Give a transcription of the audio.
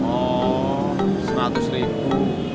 oh ratus ribu